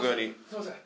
すみません。